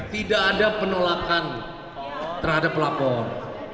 tidak ada penolakan terhadap pelapor